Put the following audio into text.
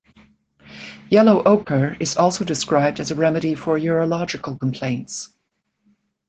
Yellow ochre is also described as a remedy for urological complaints.